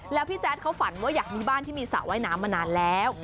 แล้วพี่แจ๊ดเขาฝันว่าอยากมีบ้านที่มีสระว่ายน้ำมานานแล้ว